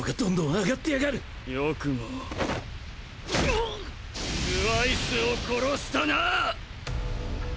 トゥワイスを殺したな！